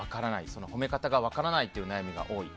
その褒め方が分からないという悩みが多い。